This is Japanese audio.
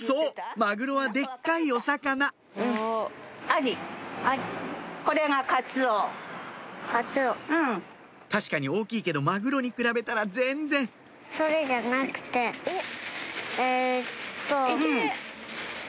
マグロはでっかいお魚確かに大きいけどマグロに比べたら全然えっと。